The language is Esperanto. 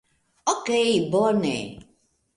Okej bone...